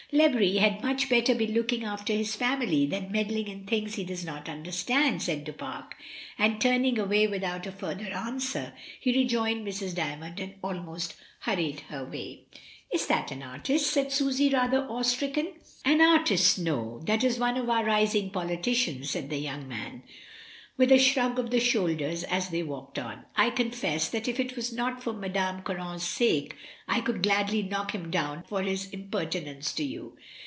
"Lebris had much better be looking after his family than meddling in things he does not under stand," said Du Pare, and turning away without a further answer he rejoined Mrs. Dymond and almost hurried her away. "Is that an artist?" said Susy, rather awe stricken. "An artist, no; that is one of our rising poli I02 MRS. DYMOND. ticians," said the young man, with a shrug of the shoulders as they walked on. "I confess that if it was not for M. Caron's sake I could gladly knock him down for his impertinence to you.